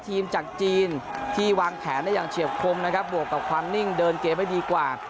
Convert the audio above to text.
ทีมจากจีนที่วางแผนได้อย่างเฉียบคมนะครับบวกกับความนิ่งเดินเกมได้ดีกว่า